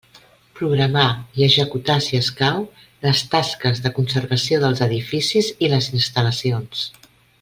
Programar i executar, si escau, les tasques de conservació dels edificis i les instal·lacions.